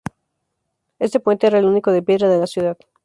Este puente era el único de piedra de la ciudad.